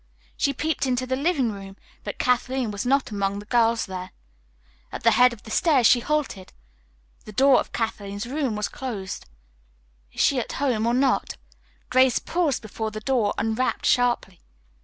She peeped into the living room, but Kathleen was not among the girls there. At the head of the stairs she halted. The door of Kathleen's room was closed. "Is she at home, or not?" Grace paused before the door and rapped sharply.